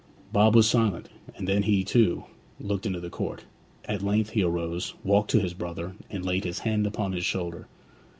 Bob was silent, and then he, too, looked into the court. At length he arose, walked to his brother, and laid his hand upon his shoulder.